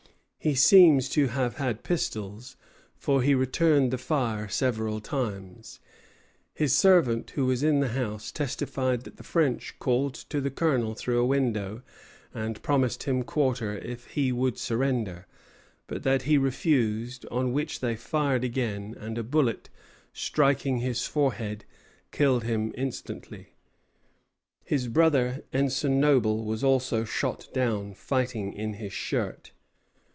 He seems to have had pistols, for he returned the fire several times. His servant, who was in the house, testified that the French called to the Colonel through a window and promised him quarter if he would surrender; but that he refused, on which they fired again, and a bullet, striking his forehead, killed him instantly. His brother, Ensign Noble, was also shot down, fighting in his shirt.